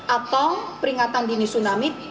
atau peringatan dini tsunami